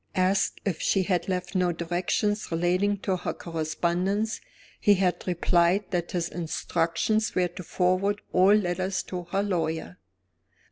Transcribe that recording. Asked if she had left no directions relating to her correspondence, he had replied that his instructions were to forward all letters to her lawyer.